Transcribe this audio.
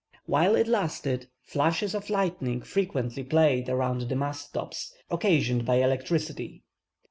While it lasted flashes of lightning frequently played around the mast top, occasioned by electricity.